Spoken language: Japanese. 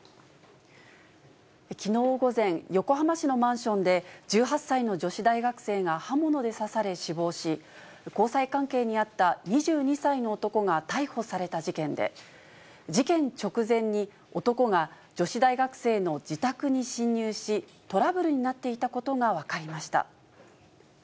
きのう午前、横浜市のマンションで１８歳の女子大学生が刃物で刺され死亡し、交際関係にあった２２歳の男が逮捕された事件で、事件直前に、男が女子大学生の自宅に侵入し、トラブルになっていたことが分かりました。